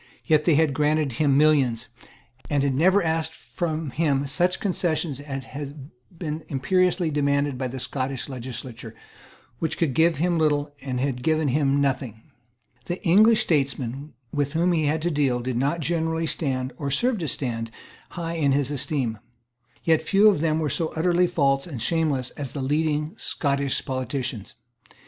Yet they had granted him millions, and had never asked from him such concessions as had been imperiously demanded by the Scottish legislature, which could give him little and had given him nothing. The English statesmen with whom he had to deal did not generally stand or serve to stand high in his esteem. Yet few of them were so utterly false and shameless as the leading Scottish politicians.